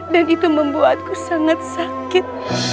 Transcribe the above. dan itu membuatku sangat sakit